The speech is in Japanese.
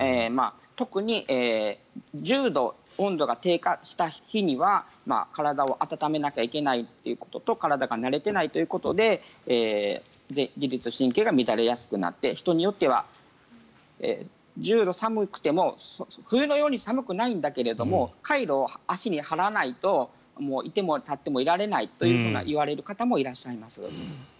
特に、１０度温度が低下した日には体を温めなきゃいけないということと体が慣れていないということで自律神経が乱れやすくなって人によっては１０度寒くても冬のように寒くないんだけどカイロを足に貼らないといても立ってもいられないと言われる方もいらっしゃいます。